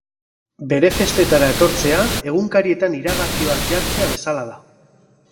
Bere festetara etortzea egunkarietan iragarki bat jartzea bezala da.